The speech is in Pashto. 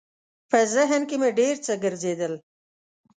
په ذهن کې مې ډېر څه ګرځېدل.